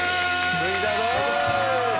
着いたぞ！